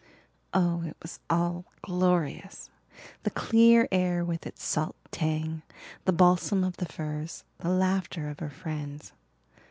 Oh, it was all glorious the clear air with its salt tang, the balsam of the firs, the laughter of her friends.